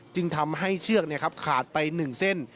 จึงทำให้เชือกขาดไป๑เส้น